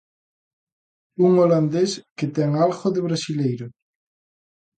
Un holandés que ten algo de brasileiro.